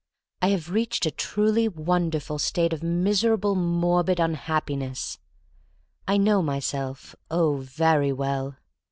I have reached a truly wonderful state of miserable morbid unhappiness. I know myself, oh, very well.